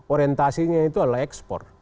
orientasinya itu adalah ekspor